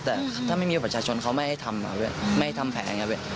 แต่ถ้าไม่มีบัตรประชาชนเขาไม่ให้ทำแผง